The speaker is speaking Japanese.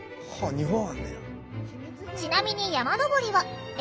ちなみに山登りは笑